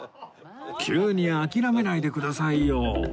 急に諦めないでくださいよ